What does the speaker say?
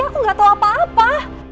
aku gak tau apa apa